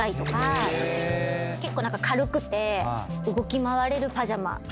結構軽くて動き回れるパジャマ。